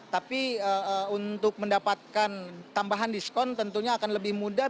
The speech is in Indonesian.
tapi untuk mendapatkan tambahan diskon tentunya akan lebih mudah